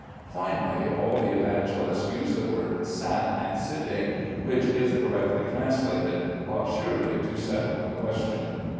Finally, all the Evangelists use the word "sat" and "sitting," which, if correctly translated, ought surely to settle the question.